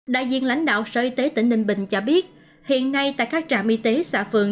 đại diện lãnh đạo sở y tế tỉnh ninh bình cho biết hiện nay tại các trạm y tế xã phường